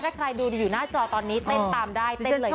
ถ้าใครดูอยู่หน้าจอตอนนี้เต้นตามได้เต้นเลย